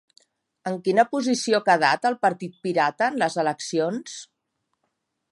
En quina posició ha quedat el Partit Pirata en les eleccions?